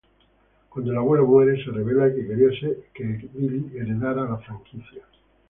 Cuando el abuelo muere, se revela que quería que Billy heredara la franquicia.